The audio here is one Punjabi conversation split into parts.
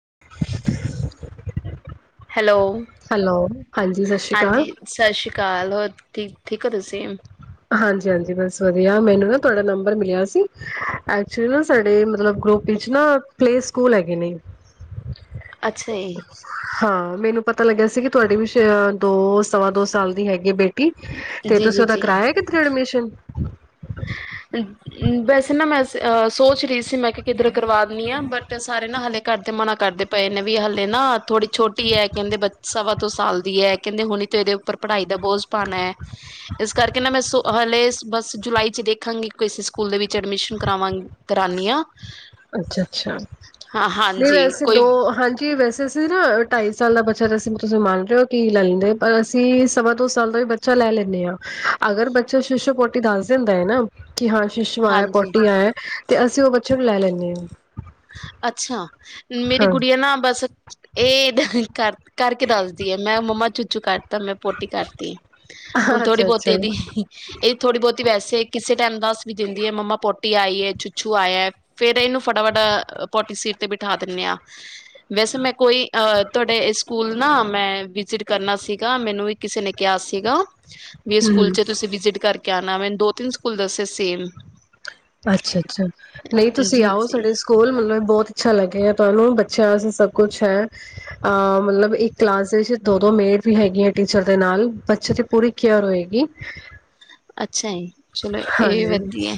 [unintelligible] ਹੈਲੋ ਹੈਲੋ ਹਾਂਜੀ ਸਤਿ ਸ਼੍ਰੀ ਅਕਾਲ ਹਾਂਜੀ ਸਤਿ ਸ੍ਰੀ ਅਕਾਲ ਹੋਰ ਠੀਕ ਠੀਕ ਤੁ ਸੇਮ ਹਾਂਜੀ ਹਾਂਜੀ ਬਸ ਵਧੀਆ ਮੈਨੂੰ ਨਾ ਤੁਹਾਡਾ ਨੰਬਰ ਮਿਲਿਆ ਸੀ ਐਕਚੁਲੀ ਨਾ ਸਾਡੇ ਮਤਲਬ ਗਰੁੱਪ ਵਿਚ ਨਾ ਪਲੇ ਸਕੂਲ ਹੈਗੇ ਨੇ ਅੱਛਾ ਜੀ, ਹਾਂ ਮੈਨੂੰ ਪਤਾ ਲੱਗਿਆ ਸੀ ਕਿ ਤੁਹਾਡੀ ਵੀ ਦੋ ਸਵਾ ਦੋ ਸਾਲ ਦੀ ਹੈਗੇ ਬੇਟੇ ਤੇ ਜੀ ਤੁਸੀਂ ਜੀ ਉਹਦਾ ਜੀ। ਕਿਰਾਇਆ ਪਰਮਿਸ਼ਨ ਵੈਸੇ ਨਾ ਮੈਂ ਅ ਸੋਚ ਰਹੀ ਸੀ ਮੈਂ ਕਿਹਾ ਕਿਧਰ ਕਰਵਾ ਦਣੀ ਆਾਂ ਬਟ ਸਾਰੇ ਨਾ ਹਲੇ ਘਰਦੇ ਮਨਾ ਕਰਦੇ ਪਏ ਨੇ ਵੀ ਹਲੇ ਨਾ ਥੋੜੀ ਛੋਟੀ ਹੈ ਕਹਿੰਦੇ ਸਵਾ ਤੋਂ ਸਾਲ ਦੀ ਹੈ ਕਹਿੰਦੇ ਹੁਣੀ ਤ ਇਹਦੇ ਉੱਪਰ ਪੜ੍ਹਾਈ ਦਾ ਬੋਝ ਭਾਣਾ ਹੈ ਇਸ ਕਰਕੇ ਨਾ ਮੈਂ ਸ ਹਲੇ ਬਸ ਜੁਲਾਈ ਚ ਦੇਖ ਦੇਖਾਂਗੇ ਕਿਸੇ ਸਕੂਲ ਦੇ ਵਿੱਚ ਐਡਮਿਸ਼ਨ ਕਰਾਵਾਂਗੇ ਅੱਛਾ ਅੱਛਾ ਹਾਂ ਨਹੀਂ ਹਾਂਜੀ ਵੈਸੇ ਕੋਈ ਦੋ ਹਾਂਜੀ ਵੈਸੇ ਅਸੀਂ ਨਾ ਢਾਈ ਸਾਲ ਦਾ ਬੱਚਾ ਜਸੀਂ ਤੁਸੀਂ ਮੰਨ ਰਹੇ ਹੋ ਕੀ ਲੈ ਲੈਂਦੇ ਪਰ ਅਸੀਂ ਸਵਾ ਦੋ ਸਾਲ ਦਾ ਵੀ ਬੱਚਾ ਲੈ ਲੈਂਦੇ ਹਾਂ ਅਗਰ ਬੱਚਾ ਸ਼ੀਸ਼ੋ ਪੋਟੀ ਦੱਸ ਦਿੰਦਾ ਹੈ ਨਾ ਕਿ ਹਾਂ ਸ਼ੀਸ਼ੂ ਆ ਹੈ ਹਾਂਜੀ ਕੋਟੀ ਆ ਹੈ ਅਤੇ ਅਸੀਂ ਉਹ ਬੱਚੇ ਨੂੰ ਲੈ ਲੈਂਦੇ ਹਾਂ ਅੱਛਾ ਮੇਰੀ ਹਾਂ, ਗੁੜੀਆ ਆਂ ਨਾ ਬਸ ਇਹਦਾ ਕਰ ਕਰਕੇ ਦੱਸਦੀਏ ਮੈਂ ਮੰਮਾ ਚੂਚੂ ਕੱਟ ਤਾਂ ਮੈਂ ਪੋਟੀ ਕਰਤੀ ਹੁਣ ਥੋੜੀ ਬਹੁਤੀ ਅੱਛਾ-ਅੱਛਾ ਇਹਦੀ ਇਹਦੀ ਥੋੜੀ ਬਹੁਤੀ ਵੈਸੇ ਕਿਸੇ ਤਮ ਦੱਸ ਵੀ ਦਿੰਦੀਏ ਮੰਮਾ ਪੋਟ ਟੀ ਆਈ ਚੁਛੂ ਆਇਆ ਫੇਰ ਇਹਨੂੰ ਫਟਾਫਟਾ ਪੋਟੀ ਸੀਟ ਤੇ ਬਿਠਾ ਦਿੰਦੇ ਹਾਂ ਵੈਸੇ ਮੈਂ ਕੋਈ ਅ ਤੁਹਾਡੇ ਸਕੂਲ ਨਾ ਮੈਂ ਵਿਜਿਟ ਕਰਨਾ ਸੀਗਾ ਮੈਨੂੰ ਇੱਕ ਕਿਸੇ ਨੇ ਕਿਹਾ ਸੀਗਾ ਵੀ ਸਕੂਲ ਹੂੰ, ਚ ਤੁਸੀਂ ਵਿਜਿਟ ਕਰਕੇ ਕਿਆ ਨਾਮ ਮੈਨੂੰ ਦੋ ਤਿੰਨ ਸਕੂਲ ਦੱਸੇ ਸੇਮ ਅੱਛਾ ਅੱਛਾ ਨਹੀਂ ਤੁਸੀਂ ਜੀ ਆਓ ਜੀ। ਸਾਡੇ ਸਕੂਲ ਮਤਲਬ ਬਹੁਤ ਅੱਛਾ ਲੱਗੇਗਾ ਤੁਹਾਨੂੰ ਬੱਚਿਆਂ ਵਾਸਤੇ ਸਭ ਕੁਛ ਹੈ ਅਹ ਮਤਲਬ ਇਹ ਕਲਾਸ ਦੋ ਦੋ ਮੇਡ ਵੀ ਹੈਗੀ ਹੈ ਟੀਚਰ ਦੇ ਨਾਲ ਬੱਚੇ ਦੀ ਪੂਰੀ ਕੇਅਰ ਹੋਏਗੀ ਅੱਛਾ ਜੀ ਚਲੋ ਇਹ ਵੀ ਹਾਂਜੀ। ਵਧੀਆ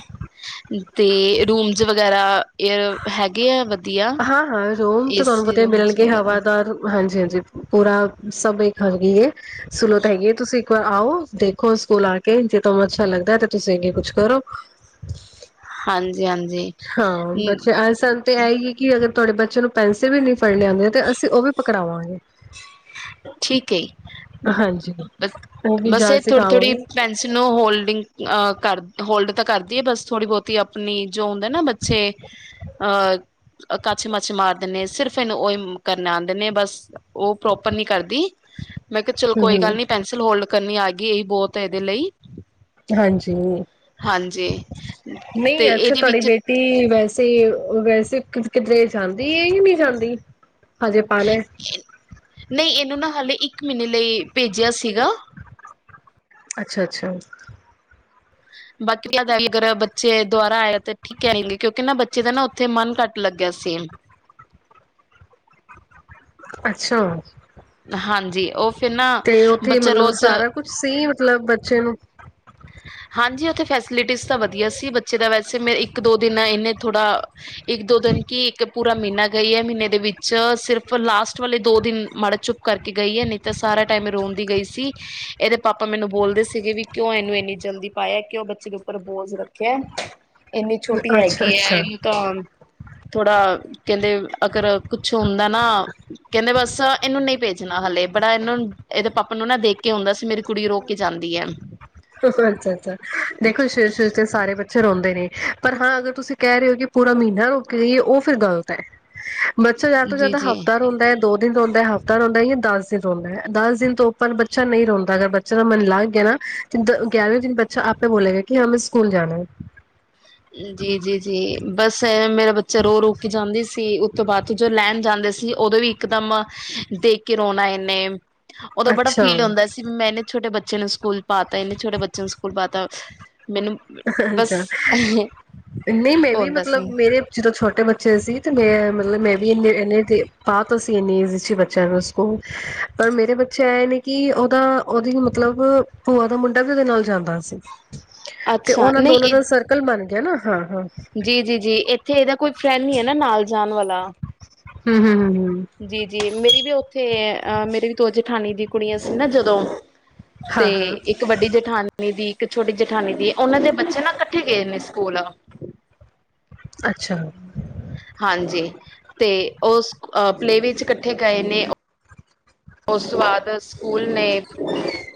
ਤੇ ਰੂਮਜ਼ ਵਗੈਰਾ। ਏਅਰ ਹੈਗੇ ਆ ਵਧੀਆ। ਹਾਂ ਹਾਂ, ਰੂਮ ਤਾਂ ਤੁਹਾਨੂੰ ਏਸੀ ਪਤਾ ਰੂਮਸ ਮਿਲਣਗੇ ਵਗੈਰਾ ਹਵਾਦਾਰ ਹਾਂਜੀ ਹਾਂ। ਪੂਰਾ ਸਭ ਇੱਕ [unintelligible] ਸੁਲੋ ਤਾਂ ਹੈਗੀ ਹੈ ਤੁਸੀਂ ਇੱਕ ਵਾਰ ਆਓ ਦੇਖੋ ਸਕੂਲ ਆ ਕੇ ਜੇ ਤੁਹਾਨੂੰ ਅੱਛਾ ਲੱਗਦਾ ਤੇ ਤੁਸੀਂ ਅੱਗੇ ਕੁਛ ਕਰੋ। ਹਾਂਜੀ ਹਾਂਜੀ। ਅਸਲ ਤੇ ਆਏਗੀ ਕਿ ਅਗਰ ਤੁਹਾਡੇ ਬੱਚੇ ਨੂੰ ਪੈਸ ਪੈਂਸਲ ਵੀ ਨਹੀਂ ਫੜਨੀ ਆਂਦੀ ਤੇ ਅਸੀਂ ਉਹ ਵੀ ਕਰਾਵਾਂਗੇ। ਠੀਕ ਹੈ, ਜੀ ਬ ਉਹ ਵੀ ਬਸ ਇਹ ਜਾਚ ਥੋੜ੍ਹੀ ਥੋੜ੍ਹੀ ਸਿਖਾਵਾਂਗੇ ਪੈਨਸਿਲ ਨੂੰ ਹੋਲਡਿੰਗ ਅ ਕਰ ਹੋਲਡ ਤਾਂ ਕਰਦੀ ਐ ਬਸ ਥੋੜੀ ਬਹੁਤੀ ਆਪਣੀ ਜੋ ਹੁੰਦਾ ਨਾ ਬੱਚੇ ਅ ਕਾਛੇ ਮਾਛੇ ਮਾਰਦੇ ਨੇ ਸਿਰਫ ਇਹਨੂੰ ਓਹੀ ਕਰਨੇ ਆਂਦੇ ਨੇ ਬਸ ਉਹ ਪ੍ਰੋਪਰ ਨ ਕਰਦੀ। ਮੈਂ ਕਿਹਾ ਚਲੋ ਹੂੰ ਕੋਈ ਗੱਲ ਹੂੰ ਨੀ ਪੈਸਿਲ ਹੋਲਡ। ਕਰਨੀ ਆ ਗਈ ਇਹੀ ਬਹੁਤ ਐ ਇਹਦੇ ਲਈ। ਹਾਂਜੀ, ਹਾਂਜੀ। ਤੇ ਨਹੀਂ ਅੱਛਾ ਇਹਦੇ ਤੁਹਾਡੀ ਵਿੱਚ ਬੇਟੀ ਵੈਸੇ ਵੈਸੇ ਕਿਧਰੇ ਜਾਂਦੇ। ਦੀ ਇਹ ਵੀ ਨਹੀਂ ਜਾਂਦੀ ਹਜੇ ਪਾਣੇ ਨਹੀਂ ਇਹਨੂੰ ਨਾ ਹਾਲੇ ਇੱਕ ਮਹੀਨੇ ਲਈ ਭੇਜਿਆ ਸੀਗਾ। ਅੱਛਾ ਅੱਛਾ। ਬਾਕੀ ਦਾ ਅਗਰ ਬੱਚੇ ਦੁਬਾਰਾ ਆਇਆ ਤਾਂ ਠੀਕ ਕਹਿਣਗੇ ਕਿਉਂਕਿ ਨਾ ਬੱਚੇ ਦਾ ਨਾ ਉੱਥੇ ਮਨ ਘੱਟ ਲੱਗਿਆ ਸੇਮ। ਅੱਛਾ। ਹਾਂਜੀ ਉਹ ਫਿਰ ਨਾ ਤੇ ਉੱਥੇ ਬੱਚਾ ਮਤਲਬ ਰੋਜ਼ ਸਾਰਾ ਕੁਛ ਸੀ ਮਤਲਬ ਬੱਚੇ ਨੂੰ ਹਾਂਜੀ ਫੈਸਿਲਿਟੀਜ਼ ਤਾਂ ਵਧੀਆ ਸੀ ਬੱਚੇ ਦਾ ਵੈਸੇ ਮੇ ਇੱਕ ਦੋ ਦਿਨ ਇਨੇ ਥੋੜਾ ਇੱਕ ਦੋ ਦਿਨ ਕੀ ਇੱਕ ਪੂਰਾ ਮਹੀਨਾ ਗਈ ਹੈ ਮਹੀਨੇ ਦੇ ਵਿੱਚ ਸਿਰਫ ਲਾਸਟ ਵਾਲੇ ਦੋ ਦਿਨ ਮਾੜਾ ਚੁੱਪ ਕਰਕੇ ਗਈ ਹੈ ਨਹੀਂ ਤਾਂ ਸਾਰਾ ਟਾਈਮ ਰੋਂਦੀ ਗਈ ਸੀ ਇਹਦੇ ਪਾਪਾ ਮੈਨੂੰ ਬੋਲਦੇ ਸੀਗੇ ਵੀ ਕਿਉਂ ਇਹਨੂੰ ਇੰਨੀ ਜਲਦੀ ਪਾਇਆ ਕਿਊ ਬੱਚੇ ਦੇ ਉੱਪਰ ਬੋਝ ਰੱਖਿਆ ਇੰਨੀ ਛੋਟੀ ਅੱਛਾ ਹੈਗੀ ਐ ਅੱਛਾ ਇਹਨੂੰ ਤਾਂ ਥੋੜਾ ਕਹਿੰਦੇ ਅਗਰ ਕੁਛ ਹੁੰਦਾ ਨਾ ਕਹਿੰਦੇ ਬਸ ਇਹਨੂੰ ਨਹੀਂ ਭੇਜਣਾ ਹਲੇ ਬੜਾ ਇਹਨਾਂ ਨੂੰ ਇਹਦੇ ਪਾਪਾ ਨੂੰ ਨਾ ਦੇਖ ਕੇ ਹੁੰਦਾ ਸੀ ਮੇਰੀ ਕੁੜੀ ਰੋ ਕੇ ਜਾਂਦੀ ਐ। ਅੱਛਾ ਅੱਛਾ, ਦੇਖੋ ਸ਼ੁਰੂ ਸ਼ੁਰੂ ਤੇ ਸਾਰੇ ਬੱਚੇ ਰੋਂਦੇ ਨੇ। ਪਰ ਹਾਂ ਅਗਰ ਤੁਸੀਂ ਕਹਿ ਰਹੇ ਹੋ ਕਿ ਪੂਰਾ ਮਹੀਨਾ ਰੋ ਕੇ ਗਈਏ ਉਹ ਫਿਰ ਗ਼ਲਤ ਐ। ਬੱਚਾ ਜਿਆਦਾ ਤੋਂ ਜੀ ਜਿਆਦਾ ਜੀ ਹਫ਼ਤਾ ਰੋਂਦਾ ਦੋ ਦਿਨ ਰੋਂਦਾ। ਦਾ ਹਫ਼ਤਾ ਰੋਂਦਾ ਜਾਂ ਦਸ ਦਿਨ ਰੋਂਦਾ ਹੈ ਦਸ ਦਿਨ ਤੋਂ ਉੱਪਰ ਬੱਚਾ ਨਹੀਂ ਰੋਂਦਾ ਅਗਰ ਬੱਚੇ ਦਾ ਮਨ ਲੱਗ ਗਿਆ ਨਾ ਗਿਆਰਵੇਂ ਦਿਨ ਬੱਚਾ ਆਪੇ ਬੋਲੇਗਾ ਕਿ ਹਾਂ ਮੈਂ ਸਕੂਲ ਜਾਣਾ। ਜੀ ਜੀ ਜੀ, ਬਸ ਐ ਮੇਰਾ ਬੱਚਾ ਰੋ ਰੋ ਕੇ ਜਾਂਦੀ ਸੀ, ਉਸ ਤੋਂ ਬਾਅਦ ਚ ਜੋ ਲੈਣ ਜਾਂਦੇ ਸੀ ਉਦੋਂ ਵੀ ਇਕਦਮ ਦੇਖ ਕੇ ਰੋਣਾ ਇਹਨੇ ਉਦੋਂ ਬੜਾ ਅੱਛਾ, ਫੀਲ ਹੁੰਦਾ ਸੀ ਵੀ ਮੈਂਨੇ ਛੋਟੇ ਬੱਚੇ ਨੂੰ ਸਕੂਲ ਪਾਤਾ ਇਹਨੇ ਛੋਟੇ ਬੱਚੇ ਨੂੰ ਸਕੂਲ ਪਾਤਾ। ਮੈਨੂੰ ਬਸ ਅੱਛਾ ਨਹੀਂ ਮੈਂ ਵੀ ਹੁੰਦਾ ਮਤਲਬ ਸੀ ਮੇਰੇ ਜਦੋਂ ਛੋਟੇ ਬੱਚੇ ਸੀ ਤੇ ਮੈਂ ਮਤਲਬ ਮੈਂ ਵੀ ਇੰਨੇ ਇਨੇ ਪਾਤਾ ਸੀ ਇੰਨੀ ਬੱਚਿਆਂ ਨੂੰ ਸਕੂਲ ਪਰ ਮੇਰੇ ਬੱਚੇ ਇਹ ਨੇ ਕਿ ਉਹਦਾ ਉਹਦੀ ਮਤਲਬ ਭੂਆ ਦਾ ਮੁੰਡਾ ਵੀ ਉਹਦੇ ਨਾਲ ਜਾਂਦਾ ਸੀ। ਅ ਤੇ ਉਹਨਾਂ ਦੋਨਾਂ ਦਾ ਸਰਕਲ ਬਣ ਗਿਆ ਨਾ। ਅਹਾਂ। ਜੀ ਜੀ ਜੀ ਇੱਥੇ ਇਹਦਾ ਕੋਈ ਰਹਿਣੀ ਹੈ ਨਾ ਨਾਲ ਜਾਣ ਵਾਲਾ ਹੂੰ- ਹੂੰ, ਹੂੰ- ਹੂੰ। ਜੀ ਜੀ ਮੇਰੀ ਵੀ ਉੱਥੇ ਅ ਮੇਰੀ ਵੀ ਤੋ ਜੇਠਾਣੀ ਦੀਆਂ ਕੁੜੀਆਂ ਸੀ ਨਾ ਜਦੋਂ ਹਾਂ, ਤੇ ਹਾਂ ਇੱਕ ਵੱਡੀ ਜੇਠਾਨੀ ਦੀ ਇੱਕ ਛੋਟੀ ਜਠਾਨੀ ਦੀ ਉਹਨਾਂ ਦੇ ਬੱਚੇ ਨਾ ਇਕੱਠੇ ਗਏ ਨੇ ਸਕੂਲ। ਅੱਛਾ। ਹਾਂਜੀ ਤੇ ਉਹ ਪਲੇਅ ਵੇਅ ਵਿੱਚ ਇਕੱਠੇ ਗਏ ਨੇ ਉਸ ਤੋਂ ਬਾਅਦ ਸਕੂਲ ਨੇ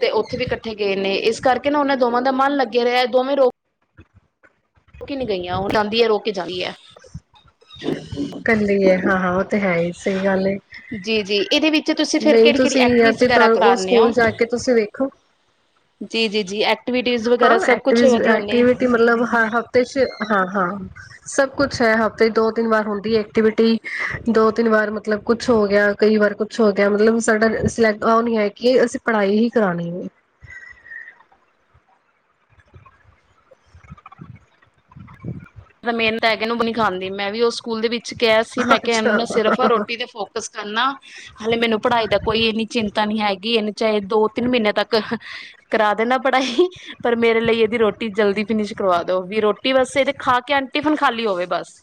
ਤੇ ਉੱਥੇ ਵੀ ਇਕੱਠੇ ਗਏ ਨੇ ਇਸ ਕਰਕੇ ਨਾ ਉਹਨਾਂ ਦੋਵਾਂ ਦਾ ਮਨ ਲੱਗਾ ਰਿਹਾ ਦੋਵੇਂ ਰੋ ਰੋਕੇ ਨੀ ਗਈਆਂ ਉਹ ਜਾਂਦੀ ਹੈ ਰੋ ਕੇ ਜਾਂਦੀ ਹੈ। ਇਕੱਲੀ ਹੈ ਹਾਂ-ਹਾਂ ਉਹ ਤੇ ਹੈ ਹੀ ਸਹੀ ਗੱਲ ਹੈ, ਜੀ ਜੀ ਇਹਦੇ ਵਿੱਚ ਤੁਸੀਂ ਫਿਰ ਨਹੀਂ ਕਿਹੜੀ ਕਿਹੜੀ ਤੁਸੀਂ ਆ ਐਕਟੀਵਿਟੀ ਤੇ ਵਗੈਰਾ ਉਹ ਕਰਾਉਂਦੇ ਸਕੂਲ ਹੋ ਜਾ ਕੇ ਤੁਸੀਂ ਵੇਖੋ। ਜੀ ਜੀ ਜੀ ਐਕਟੀਵਿਟੀਜ਼ ਵਗੈਰਾ ਹਾਂ, ਸਭ ਕੁਛ ਐਕਟੀਵਿਜ਼ ਵਧੀਆ ਨੇ ਐਕਟੀਵਿਟੀ ਮਤਲਬ ਹਰ ਹਫ਼ਤੇ 'ਚ ਹਾਂ ਹਾਂ ਸਭ ਕੁਛ ਹੈ ਹਫ਼ਤੇ ਦੋ ਤਿੰਨ ਵਾਰ ਹੁੰਦੀ ਐਕਟੀਵਿਟੀ ਦੋ ਤਿੰਨ ਵਾਰ ਮਤਲਬ ਕੁਛ ਹੋ ਗਿਆ ਕਈ ਵਾਰ ਕੁਛ ਹੋ ਗਿਆ ਮਤਲਬ ਸਾਡਾ ਸ ਉਹ ਨੀ ਹੈ ਕਿ ਅਸੀਂ ਪੜ੍ਹਾਈ ਹੀ ਕਰਾਣੀ ਹੈ ਮਿਹਨਤ ਹੈ ਕੇਨੂੰ ਨੀ ਖਾਂਦੀ ਮੈਂ ਵੀ ਉਸ ਸਕੂਲ ਦੇ ਵਿੱਚ ਕਿਹਾ ਸੀ ਮੈਂ ਕਿਹਾ ਇਹਨੂੰ ਅੱਛਾ ਨਾ ਸਿਰਫ ਰੋਟੀ ਤੇ ਫੋਕਸ ਕਰਨਾ। ਹਾਲੇ ਮੈਨੂੰ ਪੜ੍ਹਾਈ ਦਾ ਕੋਈ ਇੰਨੀ ਚਿੰਤਾ ਨੀ ਹੈਗੀ, ਇਹਨੂੰ ਚਾਹੇ ਦੋ ਤਿੰਨ ਮਹੀਨੇ ਤੱਕ ਕਰਾ ਦੇਣਾ ਪੜ੍ਹਾਈ, ਪਰ ਮੇਰੇ ਲਈ ਇਹਦੀ ਰੋਟੀ ਜਲਦੀ ਫਿਨਿਸ਼ ਕਰਵਾ ਦੋ ਵੀ ਰੋਟੀ ਬਸ ਇਹਦੇ ਖਾ ਕੇ ਆ ਟਿਫਨ ਖਾਲੀ ਹੋਵੇ ਬਸ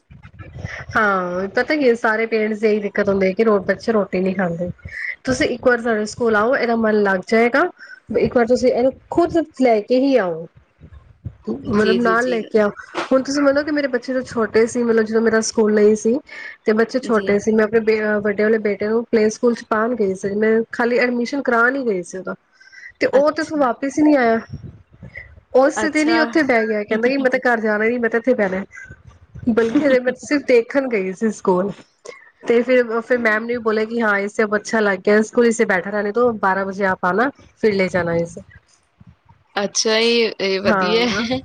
ਹਾਂ ਪਤਾ ਕੀ ਸਾਰੇ ਪੇਰੈਂਟਸ ਦੀ ਇਹੀ ਦਿੱਕਤ ਹੁੰਦੀ ਕਿ ਰ ਬੱਚੇ ਰੋਟੀ ਨਹੀਂ ਖਾਂਦੇ ਤੁਸੀਂ ਇੱਕ ਵਾਰ ਸਾਡੇ ਸਕੂਲ ਆਓ ਇਹਦਾ ਮਨ ਲੱਗ ਜਾਏਗਾ, ਇੱਕ ਵਾਰ ਤੁਸੀਂ ਇਹਨੂੰ ਖੁਦ ਲੈ ਕੇ ਹੀ ਆਓ। ਜੀ ਮਤਲਬ ਜੀ ਨਾਲ ਜੀ ਲੈ ਕੇ ਆ ਹੁਣ ਤੁਸੀਂ ਮਤਲਬ ਮੇਰੇ ਬੱਚੇ ਤੋਂ ਛੋਟੇ ਸੀ ਮਤਲਬ ਜਦੋਂ ਮੇਰਾ ਸਕੂਲ ਨਈ ਸੀ ਤੇ ਬੱਚੇ ਜੀ ਛੋਟੇ ਸੀ ਮੈਂ ਆਪਣੇ ਬੇ ਵੱਡੇ ਵਾਲੇ ਬੇਟੇ ਨੂੰ ਪਲੇਅ ਸਕੂਲ ਚ ਪਾਉਣ ਗਈ ਸੀ। ਮੈਂ ਖਾਲੀ ਐਡਮਿਸ਼ਨ ਕਰਾਨ ਗਈ ਸੀ ਉਹਦਾ। ਤੇ ਉਹ ਤੇ ਉੱਥੋਂ ਅੱਛਾ ਵਾਪਿਸ ਹੀ ਨਹੀ ਆਇਆ। ਉਸ ਦਿਨ ਨ ਅੱਛਾ ਉੱਥੇ ਬਹਿ ਗਿਆ ਕਹਿੰਦਾ ਕਿ ਮੈਂ ਘਰ ਜਾਣਾ ਹੀ ਨਹੀਂ। ਮੈਂ ਇੱਥੇ ਬਿਣਾ ਅਜੇ ਮੈਂ ਬਸ ਸਿਰਫ ਦੇਖਣ ਗਈ ਸੀ। ਸਕੂਲ ਤੇ ਫੇਰ ਫਿਰ ਮੈਮ ਨੂੰ ਵੀ ਬੋਲਿਆ ਕਿ ਹਾਂ ਇਸ ਸਭ ਅੱਛਾ ਲੱਗ ਗਿਆ ਸਕੂਲ ਇਸੇ ਬੈਠਾ ਰਹਿਣੇ ਦੋ ਬਾਹਰਾ ਵਜੇ ਆਪ ਫਿਰ ਲੈ ਜਾਣਾ ਇਸੇ। ਅੱਛਾ ਇਹ ਵਧੀਆ ਹਾਂ ਹੈ।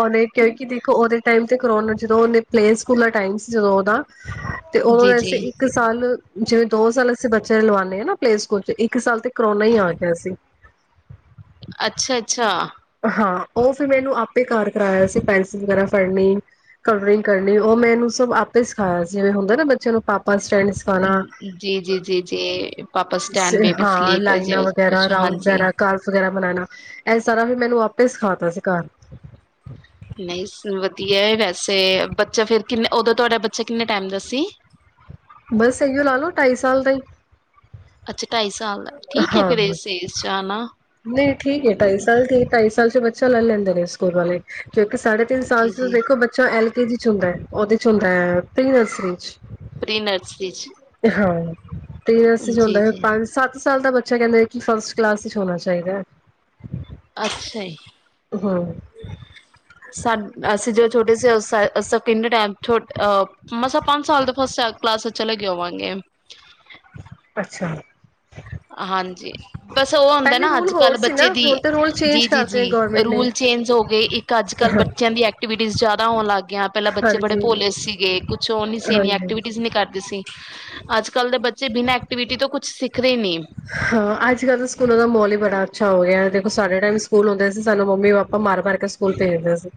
ਉਹਨੇ ਕਿਉਂਕਿ ਦੇਖੋ ਉਹਦੇ ਟਾਈਮ ਤੇ ਕਰਾਉਣਾ ਜਦੋਂ ਉਹਨੇ ਪਲੇ ਸਕੂਲ ਦਾ ਟਾਈਮ ਸੀ ਜਦੋਂ ਉਹਦਾ ਤੇ ਉਦੋਂ ਜੀ ਜੀ ਵੈਸੇ ਇੱਕ ਸਾਲ ਜਿਵੇਂ ਦੋ ਸਾਲ ਅਸੀਂ ਬੱਚੇ ਲਵਾਉਂਦੇ ਹਾਂ ਨਾ ਪਲੇ ਸਕੂਲ ਚ ਇੱਕ ਸਾਲ ਤੇ ਕਰੋਨਾ ਹੀ ਆ ਗਿਆ ਸੀ। ਅੱਛਾ ਅੱਛਾ ਹਾਂ, ਉਹ ਫਿਰ ਮੈਨੂੰ ਆਪੇ ਕਾਰ ਕਰਾਇਆ ਸੀ। ਪੈਨਸਿਲ ਵਗੈਰਾ ਫੜਨੀ ਕਲਰਿੰਗ ਕਰਨੀ ਉਹ ਮੈਨੂੰ ਸਭ ਆਪੇ ਸਿਖਾਇਆ ਸੀ। ਜਿਵੇਂ ਹੁੰਦਾ ਨਾ ਬੱਚਿਆਂ ਨੂੰ ਪਾ ਜੀ, ਜੀ ਜੀ ਜੀ ਪਾਪਾ ਸਟੈਂਡ ਬੇਬੀ ਹਾਂ ਸਲੀਪ ਜ ਲਾਈਨਾਂ ਵਗੈਰਾ ਕੁਛ ਰਾਊਂਡ ਹਾਂਜੀ ਵਗੈਰਾ ਕਾਰਵ ਵਗੈਰਾ ਬਣਾਉਣਾ ਇਹ ਸਾਰਾ ਮੈਨੂੰ ਆਪੇ ਸਿਖਾਤਾ ਸੀ ਘਰ। ਨਹੀਂ ਵਧੀਆ ਵੈਸੇ ਬੱਚਾ ਫਿਰ ਕਿੰਨੇ ਉਦੋਂ ਤੁਹਾਡਾ ਬੱਚਾ ਕਿੰਨੇ ਟਾਈਮ ਦਾ ਸੀ। ਬਸ ਇਹੀਓ ਲਾ ਲੋ ਢਾਈ ਸਾਲ ਦਾ ਹੀ। ਅੱਛਾ ਢਾਈ ਸਾਲ ਦਾ ਠੀਕ ਹੈ ਫਿਰ ਹਾਂ, ਇਸ ਏਜ ਚ ਆਨਾ ਨਹੀਂ ਠੀਕ ਏ ਢਾਈ ਸਾਲ ਠੀਕ ਢਾਈ ਸਾਲ ਚ ਬੱਚ ਚਲੋ ਲੇਲੈਂਦੇ ਨੇ ਸਕੂਲ ਵਾਲੇ। ਦੇਖੋ ਸਾਢੇ ਤਿੰਨ ਸਾਲ ਜੀ ਚ ਜੀ ਦੇਖੋ ਬੱਚਾ ਐਲ ਕੇਜੀ ਚ ਹੁੰਦਾ ਹੈ, ਉਹਦੇ ਚ ਹੁੰਦਾ ਹੈ ਪ੍ਰੀ ਨਰਸਰੀ ਚ। ਪ੍ਰੀਨਰਸਰੀ ਚ। ਹਾਂ। ਪ੍ਰੀਨਰਸਰੀ ਚ ਜੀ ਹੁੰਦਾ ਹੈ ਜੀ ਪੰਜ ਸੱਤ ਸਾਲ ਦਾ ਬੱਚਾ ਕਹਿੰਦਾ ਕਿ ਫਸਟ ਕਲਾਸ ਚ ਹੋਣਾ ਚਾਹੀਦਾ ਹੈ। ਅੱਛਾ ਜੀ, ਹਮ ਸਾਨੂੰ ਅਸੀਂ ਜਦ ਛੋਟੇ ਸੇ ਅਸੈ ਅਸੈ ਕਿਨੇ ਟੈਮ ਛੋਟ ਅ ਮਸਾ ਪੰਜ ਸਾਲ ਦੇ ਫਸਟ ਸੈ ਕਲਾਸ ਚ ਚਲੇ ਗੇ ਹੋਵਾਂਗੇ। ਅੱਛਾ। ਹਾਂਜੀ, ਬਸ ਔਹ ਹੁੰਦੈ ਪਹਿਲੇ ਨਾ ਰੂਲ ਅੱਜ ਹੋਰ ਕੱਲ ਸੀ ਬੱਚੇ ਨਾ ਦੀ ਹੁਣ ਤਾਂ ਰੂਲ ਜੀ ਚੇਂਜ ਜੀ ਕਰਤੇ ਨੇ ਜੀ ਗੌਰਮੈਂਟ ਨੇ ਰੂਲ ਚੇਂਜ ਹੋ ਗੇ ਇੱਕ ਅੱਜ ਕੱਲ ਹਾਂ ਬੱਚਿਆਂ ਦੀ ਐਕ ਐਕਟੀਵਿਟੀ ਜੈਦਾ ਹੋਣ ਲੱਗ ਗਿਆ ਪੈਲਾ ਬੱਚੇ ਬੜੇ ਹਾਂਜੀ ਭੋਲੇ ਸੀਗੇ ਕੁਛ ਔ ਨੀ ਸੀ ਇੰਨੀ ਹਾਂਜੀ ਐਕਟੀਵਿਟੀਜ਼ ਨੀ ਕਰਦੇ ਸੀ। ਅੱਜ ਕੱਲ੍ਹ ਦੇ ਬੱਚੇ ਬਿਨਾਂ ਐਕਟੀਵਿਟੀ ਤੋਂ ਕੁੱਛ ਸਿੱਖਦੇ ਦੇਣੀ ਆ। ਹਾਂ, ਅੱਜ ਕੱਲ੍ਹ ਤੇ ਸਕੂਲਾਂ ਦਾ ਮਾਹੌਲ ਈ ਬੜਾ ਅੱਛਾ ਹੋ ਗਿਐ ਦੇਖੋ ਸਾਡੇ ਟੈਮ ਸਕੂਲ ਹੁੰਦੇ ਸੀ ਸਾਨੂੰ ਮੰਮੀ ਪਾਪਾ ਮਾਰ ਮਾਰ ਕੇ ਸਕੂਲ ਭੇਜਦੇ ਸੀ।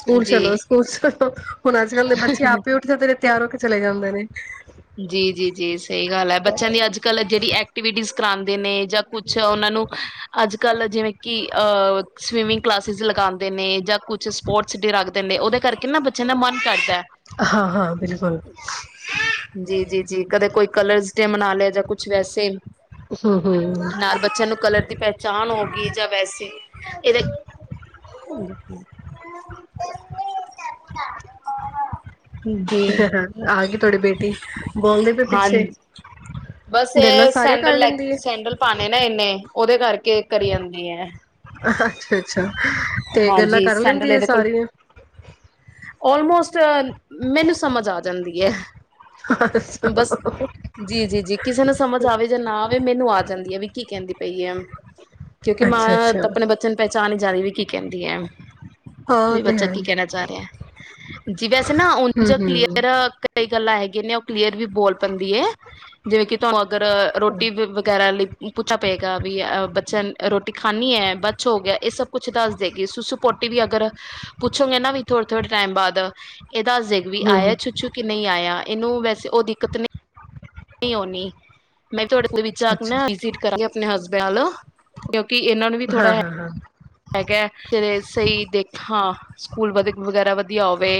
ਸਕੂਲ ਚਲੋ ਜੀ ਸਕੂਲ ਚਲੋ ਹੁਣ, ਅੱਜ ਕੱਲ ਦੇ ਬੱਚੇ ਆਪੇ ਉੱਠ ਜਾਂਦੇ ਨੇ। ਤਿਆਰ ਹੋ ਕੇ ਚਲੇ ਜਾਂਦੇ ਨੇ। ਜੀ ਜੀ ਜੀ। ਸਹੀ ਗੱਲ ਐ ਬੱਚਆਂ ਦੀ ਅੱਜ ਕੱਲ੍ਹ ਜੇੜੀ ਐਕਟੀਵਿਟੀਜ਼ ਕਰਾਂਦੇ ਨੇ ਜਾਂ ਕੁਛ ਓਨਾਂ ਨੂੰ ਅੱਜ ਕੱਲ੍ਹ ਜਿਵੇਂ ਕਿ ਅਹ ਸਵੀਮਿੰਗ ਕਲਾਸਿਸ ਲਗਾਂਦੇ ਨੇ ਜਾਂ ਕੁਛ ਸਪੋਰਟਸ ਡੇ ਰੱਖਦੇ ਨੇ ਓਹਦੇ ਕਰਕੇ ਨਾ ਬੱਚਆਂ ਦਾ ਮਨ ਕਰਦੈ। ਹਾਂ ਹਾਂ ਬਿਲਕੁਲ। ਜੀ ਜੀ ਜੀ ਕਦੇ ਕੋਈ ਕਲਰਸ ਡੇ ਮਨਾ ਲਿਆ ਜਾਂ ਕੁਛ ਵੈਸੇ। ਹੂੰ ਹੂੰ ਨਾਲ ਬੱਚਿਆਂ ਨੂੰ ਕਲਰ ਦੀ ਪਹਚਾਣ ਹੋ ਗਈ ਜਾਂ ਵੈਸੇ ਇਹਦੇ [unintelligible] ਆ ਗੀ ਤੁਹਾਡੀ ਬੇਟੀ। [inaudible] ਪਿੱਛੇ ਹਾਂਜ ਬਸ ਗੱਲਾਂ ਏ ਸਾਰੀਆਂ ਸੈਂਡਲ ਕਰ ਲੈ ਲੈਂਦੀ ਹੈ ਸੈਂਡਲ ਪਾਣੇ ਨੇ ਏਨੇ। ਓਦੇ ਕਰਕੇ ਕਰੀ ਜਾਂਦੀ ਐ। ਅੱਛਾ ਅੱਛਾ। ਤੇ ਗੱਲਾਂ ਹਾਂਜੀ ਕਰ ਸੈਂਡਲ ਲੈਂਦੀ ਏ ਸਾਰੀਆਂ। ਔਲਮੋਸਟ। ਮੈਨੂੰ ਸਮਝ ਆ ਜਾਂਦੀ ਐ। ਅੱਛਾ ਬਸ ਜੀ ਜੀ ਜੀ ਕਿਸੇ ਨੂੰ ਸਮਝ ਆਵੇ ਜਾਂ ਨਾ ਆਵੇ ਮੈਨੂੰ ਆ ਜਾਂਦੀ ਐ ਵੀ ਕੀ ਕਹਿੰਦੀ ਪਈ ਆ ਕਿਉਂਕਿ ਮਾਂ ਅੱਛਾ ਅੱਛਾ, ਤਾਂ ਆਪਣੇ ਬੱਚੇ ਨੂੰ ਪਛਾਣ ਜਾਂਦੀ ਕੀ ਕਹਿੰਦੀ ਐ ਹਾਂ ਉਹ ਵੀ ਤੇ ਬੱਚਾ ਹੈ ਕੀ ਹੀ। ਕਹਿਣਾ ਚਾ ਰਿਐ ਜੀ ਵੈਸੇ ਨਾ ਉਂਜ ਹੂੰ ਹੂੰ ਕਲੀਅਰ ਕਈ ਗੱਲਾਂ ਹੈਗੀਆਂ ਨੇ, ਉਹ ਕਲੀਅਰ ਵੀ ਬੋਲ ਪੈਂਦੀ ਹੈ। ਜਿਵੇਂ ਕਿ ਤੁਹਾਨੂੰ ਅਗਰ ਰੋਟੀ ਵਗੈਰਾ ਲਈ ਪੁੱਛਾ ਪਏਗਾ ਵੀ ਅਹ ਬੱਚਿਆਂ ਨੂੰ ਰੋਟੀ ਖਾਨੀ ਹੈ। ਬਛ ਹੋ ਗਿਆ? ਇਹ ਸਭ ਕੁੱਛ ਦੱਸ ਸੁਸੁ ਪੋਟੀ ਵੀ ਅਗਰ ਪੁੱਛੋਗੇ ਨਾ, ਵੀ ਥੋੜੇ-ਥੋੜੇ ਟਾਈਮ ਬਾਅਦ ਇਹ ਦੱਸ ਦਾਏਗੀ ਵੀ ਹੂੰ ਆਇਆ ਹੂੰ ਛੂਛੂ ਕਿ ਨਹੀਂ ਆਇਆ। ਇਹਨੂੰ ਵੈਸੇ ਉਹ ਦਿੱਕਤ ਨਹੀਂ। ਨੀ ਅੱਛਾ [unintelligible] ਕਿ ਇਹਨਾਂ ਨੂੰ ਵੀ ਥੋੜ੍ਹਾ ਹਾਂ ਹੈ। ਹਾਂ ਹਾਂ ਹੈਗਾ, ਤੇ ਸਹੀ ਦੇਖਾਂ ਸਕੂਲ ਵ ਵਗੈਰਾ ਵਧੀਆ ਹੋਵੇ।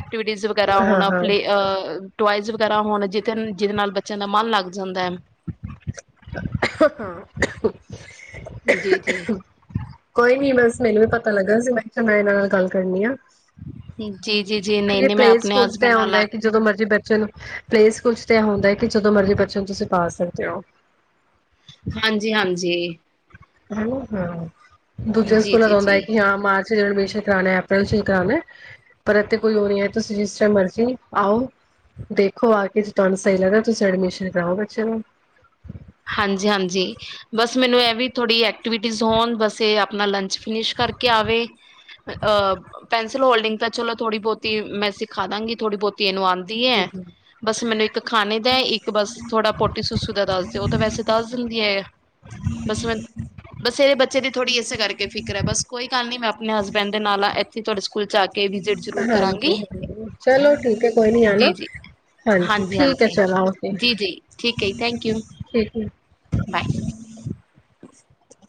ਐਕਟੀਵਿਟੀਜ ਵਗੈਰਾ ਹਾਂ ਹੋਣ। ਪਲੇ ਹਾਂ ਅ-ਅ ਟੋਏਜ ਕਰਾਂ ਹੁਣ, ਜੇਕਰ, ਜਿਹਦੇ ਨਾਲ ਬੱਚਿਆਂ ਦਾ ਮਨ ਲੱਗ ਜਾਂਦਾ [unintelligible] ਖੰਗ ਰਹੇ ਜੀ ਜੀ ਕੋਈ ਨੀ, ਬਸ ਮੈਨੂੰ ਤਾ ਪਤਾ ਲੱਗਾ ਸੀ, ਮੈਂ ਕਿਹਾ, ਮੈਂ ਇਹਨਾਂ ਨਾਲ ਗੱਲ ਕਰਨੀ ਆ। ਹੂ ਹਜੇ ਪਲੇ ਸਕੂਲ ਚ ਤਾਂ ਐ ਹੁੰਦਾ ਹੈ, ਕਿ ਜਦੋਂ ਮਰਜ਼ੀ ਬੈ ਚਲੋ, ਪਲੇ ਸਕੂਲ ਤਾਂ ਇਹ ਹੁੰਦਾ ਹੈ ਕਿ ਜਦੋਂ ਮਰਜ਼ੀ ਬੱਚੇ ਨੂੰ ਤੁਸੀਂ ਪਾ ਸਕਦੇ ਹੋ। ਹਾਂਜੀ-ਹਾਂਜੀ। ਹਮ ਹੂ। ਦੂਜੇ ਜੀ ਸਕੂਲਾਂ ਜੀ ਦਾ ਹੁੰਦਾ ਹੈ ਜੀ ਕੀ ਹਾਂ, ਮਾਰਚ ਤੇ ਅਡਮਿਸ਼ਨ ਕਰਾਨਾ, ਐਪ੍ਰਲ ਚ ਕਰਾਨਾ ਪਰ ਇੱਥ ਕੋਈ ਹੋ ਨੀ ਐ। ਤੁਸੀਂ ਜਿਸ ਟਾਈਮ ਮਰਜੀ ਆਓ, ਦੇਖੋ ਆ ਕੇ, ਤੁਹਾਨੂੰ ਸਹੀ ਲੱਗਦਾ। ਤੁਸੀਂ ਅਡਮਿਸ਼ਨ ਕਰਾਓ ਬੱਚੇ ਦਾ। ਹਾਂਜੀ-ਹਾਂਜੀ, ਬਸ ਮੈਨੂੰ ਇਹ ਵੀ ਥੋੜੀ ਐਕਟੀਵਿਟੀਜ ਹੋਣ। ਬਸ ਇਹ ਆਪਣਾ ਲੰਚ ਫਿਨਿਸ਼ ਕਰਕੇ ਆਵੇ। ਅ ਪੈਨਸਿਲ ਹੋਲਡਿੰਗ ਤਾਂ ਚਲੋ ਥੋੜੀ ਬਹੁਤੀ ਮੈਂ ਸਿਖਾ ਦਾਂਗੀ। ਥੋੜੀ ਬਹੁਤੀ ਇਹਨੂੰ ਆਂ ਦੀ ਐ, ਬਸ ਮੈਨੂੰ ਇੱਕ ਖਾਣੇ ਦਾ, ਇੱਕ ਬਸ ਥੋੜਾ ਪੋਟੀ-ਸੁਸੂ ਦਾ ਦੱਸ ਤੇ ਉਹ ਤਾਂ ਵੈਸੇ ਦੱਸ ਦਿੰਦੀ ਹੈ ਏ। ਬਸ ਮੈਂ, ਬਸ ਇਹਦੇ ਬੱਚੇ ਦੀ ਥੋੜ੍ਹੀ ਇਸੇ ਕਰਕੇ ਫਿਕਰ ਹੈ। ਬਸ ਕੋਈ ਕੱਲ ਨੀ। ਮੈਂ ਆਪਣੇ ਹਸਬੈਂਡ ਦੇ ਨਾਲ ਆ ਇੱਥੇ ਤੁਹਾਡੇ ਸਕੂਲ ਚ ਆ ਕੇ ਵਿਜਿਟ ਜ਼ਰੂਰ ਕਰਾਂਗੀ ਹਾਂਜੀ, ਹਾਂ। ਚਲੋ, ਠੀਕ ਹੈ ਕੋਈ ਨੀ ਆਨਾ। ਜੀ-ਜੀ ਹਾਂਜੀ, ਠੀਕ ਹੈ, ਹਾਂਜੀ-ਹਾਂਜੀ ਚਲੋ ਓਕੇ। ਜੀ-ਜੀ ਠੀਕ ਐ ਜੀ ਥੈਂਕ ਯੂ ਠੀਕ ਏ। ਬਾਏ। [inaudible]